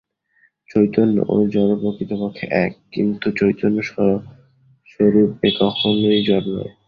চৈতন্য ও জড় প্রকৃতপক্ষে এক, কিন্তু চৈতন্য স্ব-স্বরূপে কখনই জড় নয়।